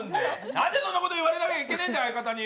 なんでそんなこと言われなきゃいけないんだよ、相方に。